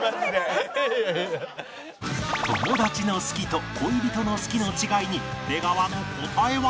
「友達の好き」と「恋人の好き」の違いに出川の答えは？